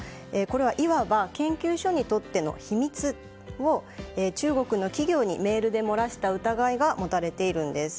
いわば研究所にとっての秘密を中国の企業にメールで漏らした疑いがもたれているんです。